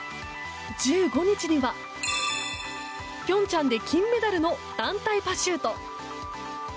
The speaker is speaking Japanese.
１５日には平昌で金メダルの団体パシュート。